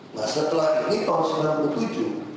nah setelah ini tahun sembilan puluh tujuh